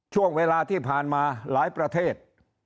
ช่วงเวลาที่ผ่านมาหลายประเทศ